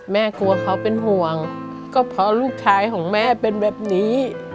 กลัวเขาเป็นห่วงก็เพราะลูกชายของแม่เป็นแบบนี้